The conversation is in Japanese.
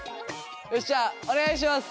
よしじゃあお願いします。